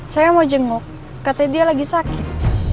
saya mau jenguk katanya dia lagi sakit